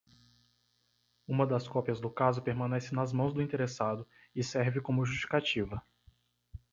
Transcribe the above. Uma das cópias do caso permanece nas mãos do interessado e serve como justificativa.